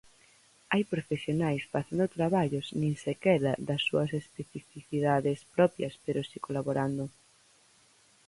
Hai profesionais facendo traballos nin sequera das súas especificidades propias pero si colaborando.